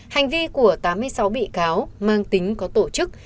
hành vi của tám mươi sáu bị cáo mang tính có tổ chức